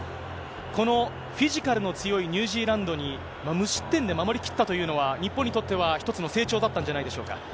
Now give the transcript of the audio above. このフィジカルの強いニュージーランドに、無失点で守りきったというのは、日本にとっては一つの成長だったんじゃないでしょうか。